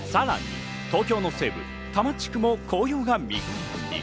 さらに東京の西部・多摩地区も紅葉が見頃に。